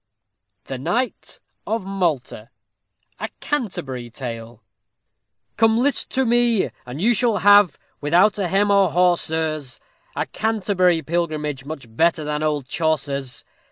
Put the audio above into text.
THE KNIGHT OF MALTA A Canterbury Tale Come list to me, and you shall have, without a hem or haw, sirs, A Canterbury pilgrimage, much better than old Chaucer's.